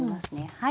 はい。